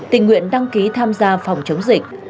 tình nguyện đăng ký tham gia phòng chống dịch